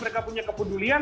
mereka punya kepedulian